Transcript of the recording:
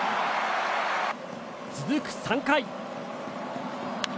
続く３回。